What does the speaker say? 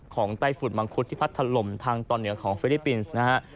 ไต้ฝุ่นมังคุดที่พัดถล่มทางตอนเหนือของฟิลิปปินส์นะฮะ